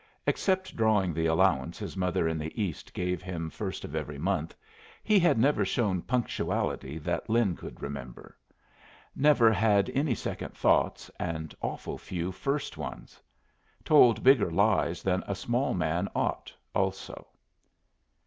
Except drawing the allowance his mother in the East gave him first of every month, he had never shown punctuality that Lin could remember. Never had any second thoughts, and awful few first ones. Told bigger lies than a small man ought, also.